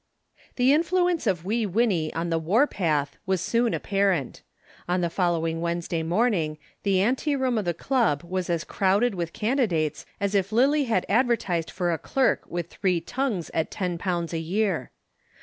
The influence of Wee Winnie on the war path was soon apparent. On the following Wednesday morning the ante room of the Club was as crowded with candidates as if Lillie had advertised for a clerk with three tongues at ten pounds a year.